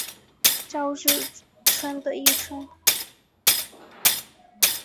朝日村的一村。